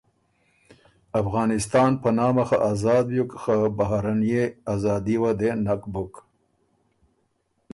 افغانستان په نامه خه آزاد بیوک خه بهرینيې ازادي وه دې نک بُک